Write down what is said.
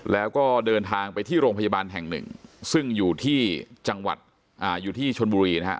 แล้วก็เดินทางไปที่โรงพยาบาลแห่งหนึ่งซึ่งอยู่ที่จังหวัดอยู่ที่ชนบุรีนะฮะ